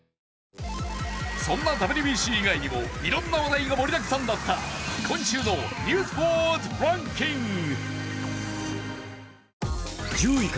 そんなＷＢＣ以外にもいろんな話題が盛りだくさんだった今週の「ニュースワードランキング」。